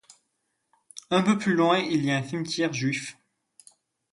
Un peu plus loin il y a un cimetière juif.